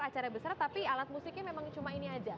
acara besar tapi alat musiknya memang cuma ini aja